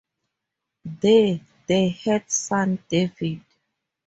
There, they had son David.